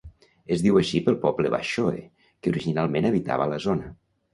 Es diu així pel poble Washoe que originalment habitava la zona.